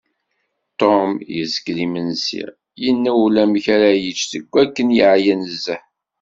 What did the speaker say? Tom yezgel imensi, yenna ulamek ara yečč seg akken yeεya nezzeh.